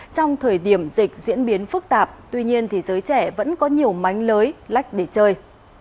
trong thời điểm dịch diễn biến phức tạp tuy nhiên giới trẻ vẫn có nhiều mánh lưới lách để chơi